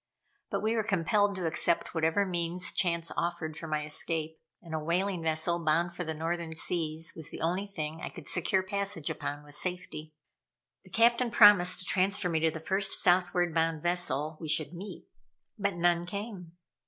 But we were compelled to accept whatever means chance offered for my escape, and a whaling vessel bound for the Northern Seas was the only thing I could secure passage upon with safety. The captain promised to transfer me to the first southward bound vessel we should meet. But none came.